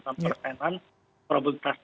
jadi ya saya pikir ini adalah sebuah kebiasaan